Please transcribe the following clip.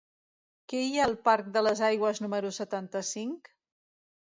Què hi ha al parc de les Aigües número setanta-cinc?